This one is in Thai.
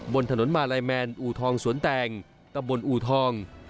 บนถนนมาลัยแมนอูทองสวนแตงตำบลอูทอง